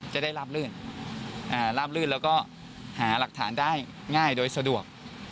ราบลื่นลาบลื่นแล้วก็หาหลักฐานได้ง่ายโดยสะดวก